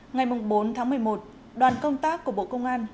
ngày bốn tháng một mươi một đoàn công tác của bộ công an